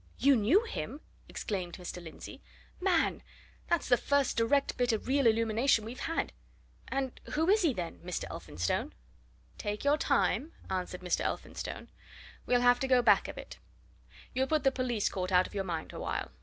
"You knew him!" exclaimed Mr. Lindsey. "Man! that's the first direct bit of real illumination we've had! And who is he, then, Mr. Elphinstone?" "Take your time!" answered Mr. Elphinstone. "We'll have to go back a bit: you'll put the police court out of your mind a while.